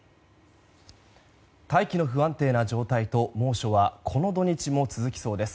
大気の不安定な状態と猛暑はこの土日も続きそうです。